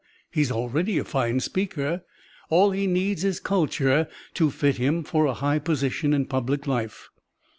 He is already a fine speaker. All he needs is culture to fit him for a high position in public life."